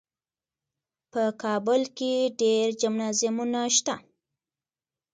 په کابل کې ډېر جمنازیمونه شته.